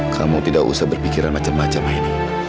kamu tidak usah berpikiran macam macam ini